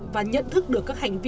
và nhận thức được các hành vi như vậy